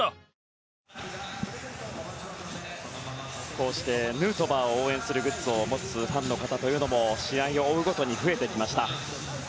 こうしてヌートバーを応援するグッズを持つファンの方というのも、試合を追うごとに増えてきました。